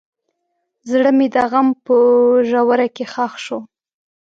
زړه مې د غم په ژوره کې ښخ شو.